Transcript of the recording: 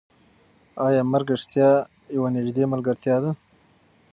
ایا مرګ رښتیا یوه نږدې ملګرتیا ده؟